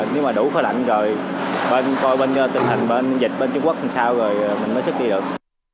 nếu mà đủ kho lạnh rồi coi bên tân thanh bên dịch bên trung quốc làm sao rồi mình mới suất đi được